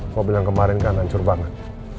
mobil yang kemarin kan hancur banget